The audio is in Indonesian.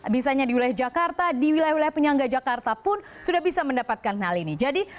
misalnya di wilayah jakarta di wilayah wilayah penyangga jakarta pun sudah bisa mendapatkan hal ini